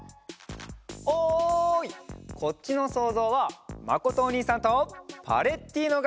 おいこっちのそうぞうはまことおにいさんとパレッティーノがしょうかいするよ！